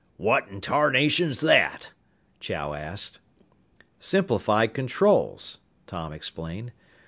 "What in tarnation's that?" Chow asked. "Simplified controls," Tom explained.